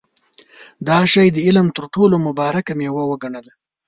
دا شی د علم تر ټولو مبارکه مېوه وګڼله.